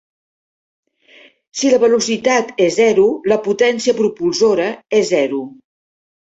Si la velocitat és zero, la potència propulsora és zero.